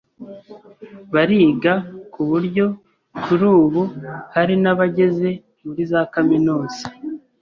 bariga ku buryo kuri ubu hari n’abageze muri za Kaminuza